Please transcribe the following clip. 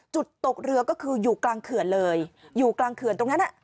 ตกเรือก็คืออยู่กลางเขื่อนเลยอยู่กลางเขื่อนตรงนั้น